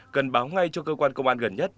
cần báo ngay cho cơ quan công an gần nhất